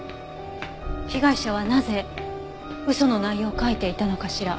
被害者はなぜ嘘の内容を書いていたのかしら？